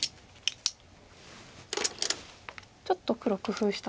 ちょっと黒工夫した。